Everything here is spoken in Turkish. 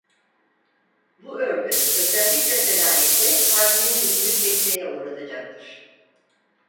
Bu örgüt özellikle Selanik'te partinin gücünü sekteye uğratacaktır.